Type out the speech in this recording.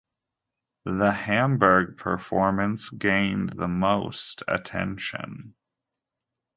The Hamburg performance gained the most attention.